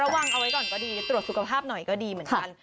วางเอาไว้ก่อนก็ดีตรวจสุขภาพหน่อยก็ดีเหมือนกัน